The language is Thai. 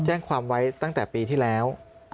แจ้งความไว้ตั้งแต่ปีที่แล้ว